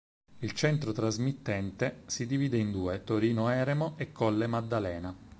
Il centro trasmittente si divide in due: "Torino Eremo" e "Colle Maddalena".